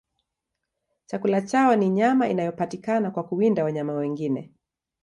Chakula chao ni nyama inayopatikana kwa kuwinda wanyama wengine.